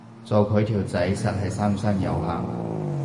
做佢條仔實係三生有幸